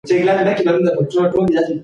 نا امني په ځینو سیمو کې زیاته سوه.